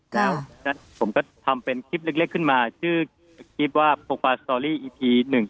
แล้วผมก็ทำเป็นคลิปเล็กขึ้นมาชื่อคลิปว่าโปรฟาสตอรี่อีพี๑๒